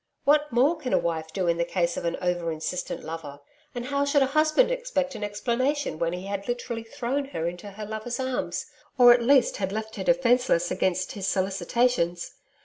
What more can a wife do in the case of an over insistent lover? And how should a husband expect an explanation when he had literally thrown her into her lover's arms, or at least had left her defenceless against his solicitations!